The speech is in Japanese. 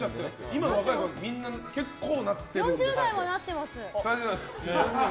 今の若い子は結構なってます。